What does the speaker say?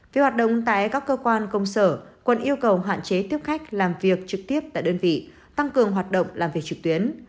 về hoạt động tại các cơ quan công sở quận yêu cầu hạn chế tiếp khách làm việc trực tiếp tại đơn vị tăng cường hoạt động làm việc trực tuyến